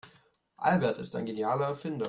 Albert ist ein genialer Erfinder.